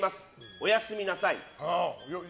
おやすみなさい。